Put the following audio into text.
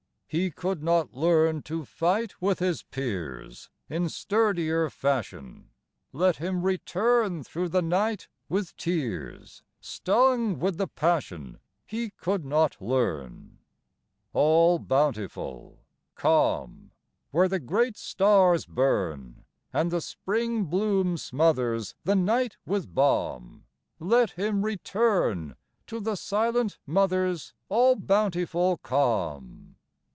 He could not learn To fight with his peers In sturdier fashion; Let him return Through the night with tears, Stung with the passion He could not learn. All bountiful, calm, Where the great stars burn, And the spring bloom smothers The night with balm, Let him return To the silent Mother's All bountiful calm.